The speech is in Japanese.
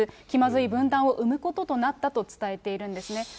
気まずい分断を生むこととなったと伝えているんですね。